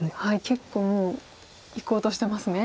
結構もういこうとしてますね。